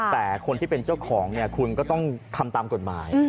แต่คนที่เป็นเจ้าของเนี่ยคุณก็ต้องทำตามกฎหมาย